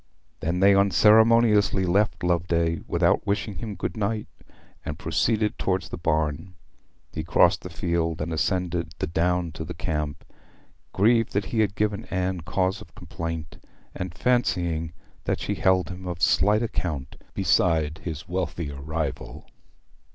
They then unceremoniously left Loveday, without wishing him good night, and proceeded towards the barn. He crossed the park and ascended the down to the camp, grieved that he had given Anne cause of complaint, and fancying that she held him of slight account beside his wealthier rival.